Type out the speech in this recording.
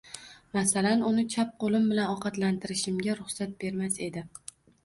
Masalan uni chap qo`lim bilan ovqatlantirishimga ruxsat bermas edi